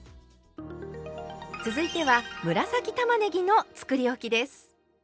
続いては紫たまねぎのつくりおきです。